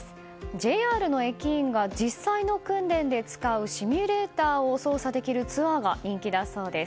ＪＲの駅員が実際の訓練で使うシミュレーターを操作できるツアーが人気だそうです。